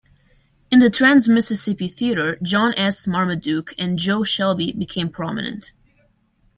In the Trans-Mississippi Theater, John S. Marmaduke and "Jo" Shelby became prominent.